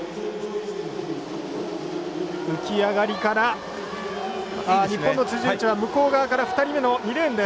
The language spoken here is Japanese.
浮き上がりから日本の辻内は向こう側から２人目の２レーン。